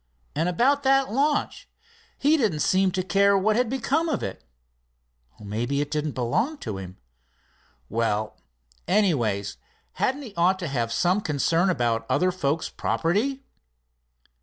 "And about that launch? He didn't seem to care what had become of it." "Maybe it didn't belong to him." "Well, anyway, hadn't he ought to have some concern about other folks' property?"